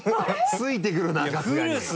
ついてくるな春日に。